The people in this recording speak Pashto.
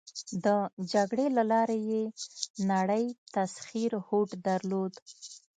د جګړې له لارې یې نړی تسخیر هوډ درلود.